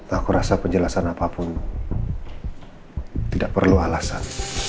aku rasa penjelasan apapun tidak perlu alasan